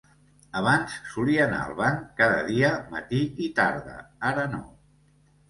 Abans solia anar al banc cada dia matí i tarda; ara no.